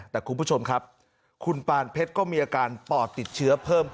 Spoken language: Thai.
แต่คุณผู้ชมครับคุณปานเพชรก็มีอาการปอดติดเชื้อเพิ่มขึ้น